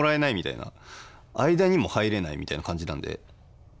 間にも入れないみたいな感じなんで。